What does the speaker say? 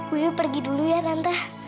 wuih pergi dulu ya tante